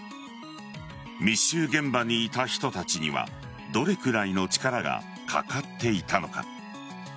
密集現場にいた人たちにはどれくらいの力がかかっていたのか。